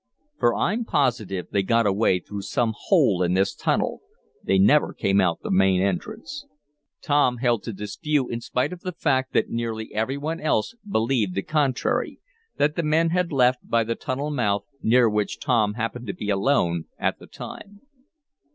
For I'm positive they got away through some hole in this tunnel. They never came out the main entrance." Tom held to this view in spite of the fact that nearly every one else believed the contrary that the men had left by the tunnel mouth, near which Tom happened to be alone at the time.